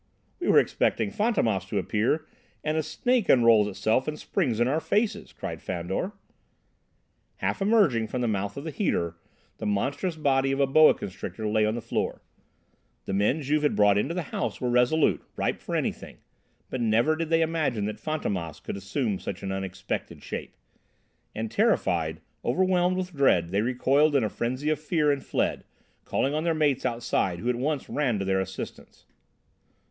"We were expecting Fantômas to appear and a snake unrolls itself and springs in our faces!" cried Fandor. Half emerging from the mouth of the heater the monstrous body of a boa constrictor lay on the floor. The men Juve had brought into the house were resolute, ripe for anything, but never did they imagine that Fantômas could assume such an unexpected shape. And terrified, overwhelmed with dread, they recoiled in a frenzy of fear and fled, calling on their mates outside, who at once ran to their assistance.